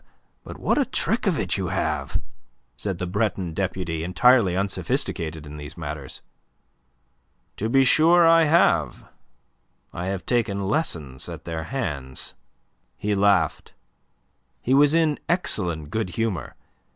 But what a trick of it you have," said the Breton deputy, entirely unsophisticated in these matters. "To be sure I have. I have taken lessons at their hands." He laughed. He was in excellent good humour.